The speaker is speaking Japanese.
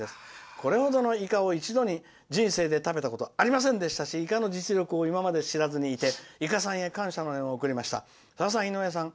これほどのイカを一度に人生で食べたことありませんでしたしイカの実力を今まで知らずにいてイカさんに感謝の念を送りました。